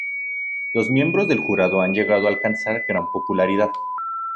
Los miembros del jurado han llegado a alcanzar gran popularidad.